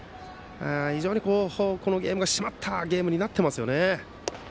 非常にこのゲームが締まったゲームになってますよ。